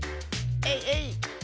えいえいっ！